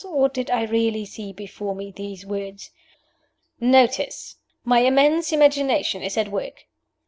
Or did I really see before me these words? "NOTICE. My immense imagination is at work.